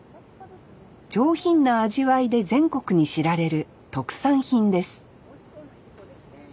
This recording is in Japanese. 上品な味わいで全国に知られる特産品です